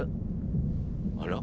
あら？